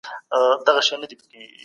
کندهار د سياست کور دی.